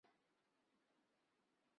波希米亚人改编脚本。